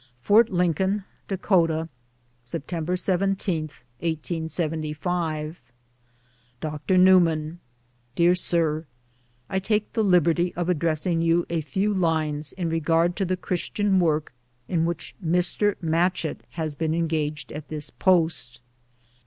"Fort Lincoln, Dakota, September 17, 1875. "Dr. Newman: " Dear Sir, — I take the liberty of addressing you a few lines in regard to the Christian work in which Mr, Matchett has been en gaged at this post.